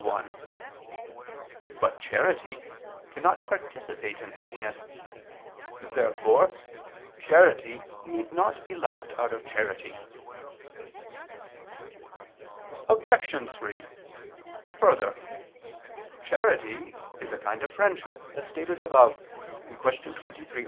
1). But charity cannot participate in happiness. Therefore charity need not be loved out of charity. Obj. 3: Further, charity is a kind of friendship, as stated above (Q. 23, A.